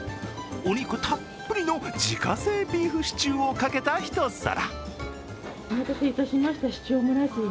お肉たっぷりの自家製ビーフシチューをかけた一皿。